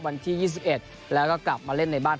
วันที่๒๑แล้วก็กลับมาเล่นในบ้าน